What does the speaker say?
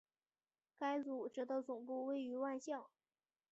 该组织的总部位于万象。